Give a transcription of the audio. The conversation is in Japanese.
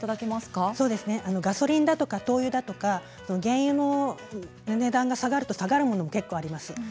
ガソリンだとか灯油だとか原油の値段が下がると下がるものも結構あります。